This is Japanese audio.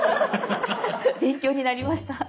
勉強になりました。